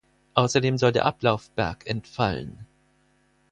Außerdem soll der Ablaufberg entfallen.